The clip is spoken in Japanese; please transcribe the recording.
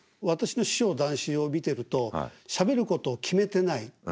私の師匠談志を見てるとしゃべることを決めてない